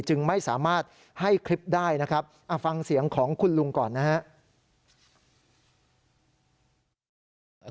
จึงไม่สามารถให้คลิปได้นะครับฟังเสียงของคุณลุงก่อนนะครับ